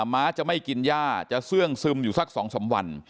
ม้าจะไม่กินย่าจะเสื่องซึมอยู่สัก๒๓วัน